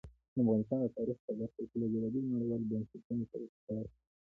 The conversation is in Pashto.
افغانستان د تاریخ په برخه کې له بېلابېلو نړیوالو بنسټونو سره کار کوي.